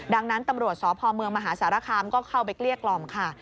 ดังนั้นตำรวจสพเมืองมหาสารคามก็เข้าไปเกลี้ยกล่อมค่ะ